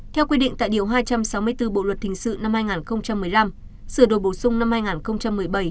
theo quy định tại điều hai trăm sáu mươi bốn bộ luật hình sự năm hai nghìn một mươi năm sửa đổi bổ sung năm hai nghìn một mươi bảy